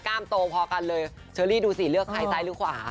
กล้ามโตพอครับชะลีดูสิเลือกซ้ายซ้ายหรือขวา